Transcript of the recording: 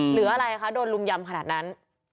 หรืออะไรคะโดนลุมยำขนาดนั้น